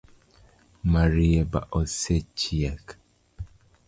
Marieba osechiek?